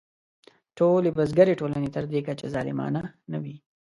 ټولې بزګري ټولنې تر دې کچې ظالمانه نه وې.